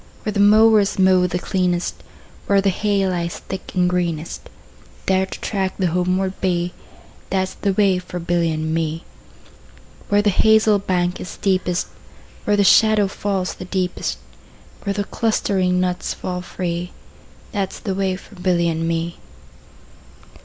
Where the mowers mow the cleanest, Where the hay lies thick and greenest, 10 There to track the homeward bee, That 's the way for Billy and me. Where the hazel bank is steepest, Where the shadow falls the deepest, Where the clustering nuts fall free, 15 That 's the way for Billy and me.